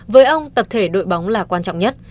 với ông tập thể đội bóng là quan trọng nhất